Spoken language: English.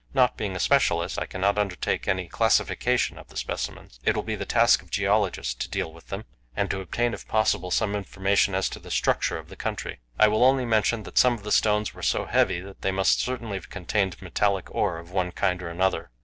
Not being a specialist, I cannot undertake any classification of the specimens. It will be the task of geologists to deal with them, and to obtain if possible some information as to the structure of the country. I will only mention that some of the stones were so heavy that they must certainly have contained metallic ore of one kind or another.